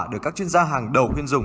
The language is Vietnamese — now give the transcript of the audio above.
được các chuyên gia hàng đầu huyên dùng